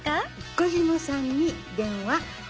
岡嶋さんに電話。